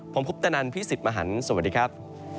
ผมคุปตะนันพี่สิทธิ์มหันฯสวัสดีครับ